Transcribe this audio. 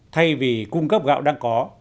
thay vì cung cấp gạo đang có